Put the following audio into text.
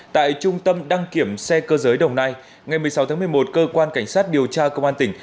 tại trung tâm đăng kiểm xe cơ giới đồng nai ngày một mươi sáu tháng một mươi một cơ quan cảnh sát điều tra công an tỉnh